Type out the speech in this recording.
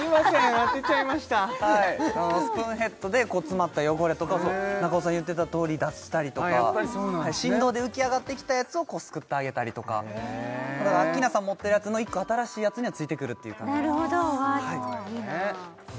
当てちゃいましたスプーンヘッドで詰まった汚れとか中尾さん言ってたとおり出したりとか振動で浮き上がってきたやつをすくってあげたりとかだからアッキーナさん持ってるやつの１個新しいやつにはついてくるっていう感じですなるほどわいいな